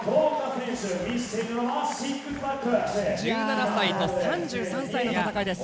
１７歳と３３歳の戦いです。